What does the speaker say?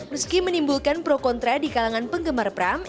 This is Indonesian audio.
meski menimbulkan pro kontra di kalangan penggemar pram